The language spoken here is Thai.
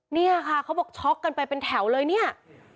เนี่ยค่ะเขาบอกช็อกกันไปเป็นแถวเลยเนี่ย